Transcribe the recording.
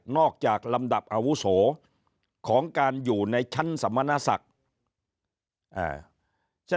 จากลำดับอาวุโสของการอยู่ในชั้นสมณศักดิ์